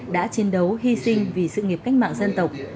đã chiến đấu hy sinh vì sự nghiệp cách mạng dân tộc